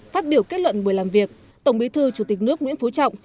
phát biểu kết luận buổi làm việc tổng bí thư chủ tịch nước nguyễn phú trọng